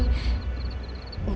jadi anak kecil sama kucing